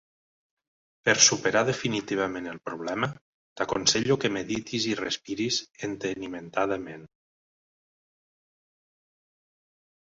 Per superar definitivament el problema t'aconselle que medites i respires entenimentadament.